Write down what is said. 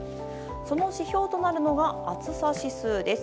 その指標となるのが暑さ指数です。